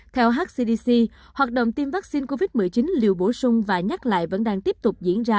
theo hcdc hoạt động tiêm vaccine covid một mươi chín liều bổ sung và nhắc lại vẫn đang tiếp tục diễn ra